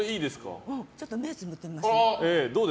ちょっと目をつぶってみます。